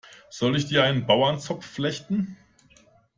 Soll ich dir einen Bauernzopf flechten?